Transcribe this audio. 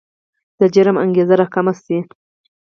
د جرم انګېزه راکمه شي.